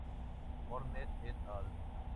Horner et al.